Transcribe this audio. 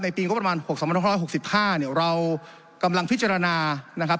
ในปีงบประมาณ๖๒๖๕เรากำลังพิจารณานะครับ